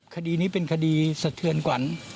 คดีนี้เป็นคดีสะเทือนขวัญ